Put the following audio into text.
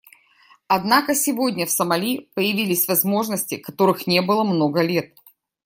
Однако сегодня в Сомали появились возможности, которых не было много лет.